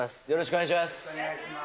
お願いします。